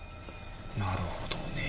なるほどね。